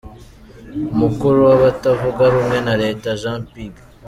Umukuru w’abatavuga rumwe na leta Jean Ping